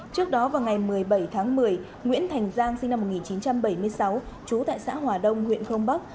trước đó vào ngày một mươi bảy tháng một mươi nguyễn thành giang sinh năm một nghìn chín trăm bảy mươi sáu chú tại xã hòa đông huyện kronbach